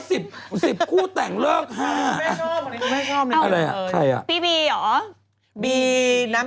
สิบคู่แต่งเลิกอ้าวอะไรล่ะใครล่ะพี่บี้เหรอ